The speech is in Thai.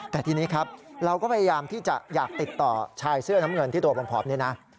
แต่ทีนี้ครับเราก็พยายามที่จะอยากติดต่อชายเสื้อน้ำเงินที่ตัวผอมนี่นะ